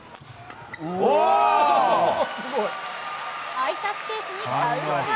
空いたスペースにカウンター！